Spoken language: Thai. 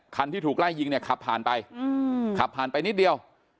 ที่ถูกไล่ยิงเนี่ยขับผ่านไปขับผ่านไปนิดเดียว